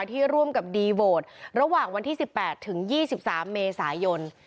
ที่ร่วมกับดีโหวตระหว่างวันที่๑๘ถึง๒๓เมษายน